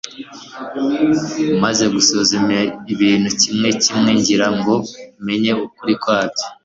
maze gusuzuma ibintu kimwe kimwe ngira ngo menye ukuri kwabyo